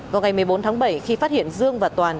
vào ngày một mươi bốn tháng bảy khi phát hiện dương và toàn